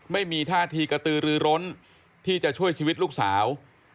ไม่มีท่าทีกระตือรือร้นที่จะช่วยชีวิตลูกสาว